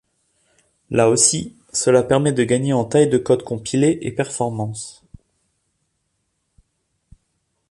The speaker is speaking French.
Là aussi, cela permet de gagner en taille de code compilé et performances.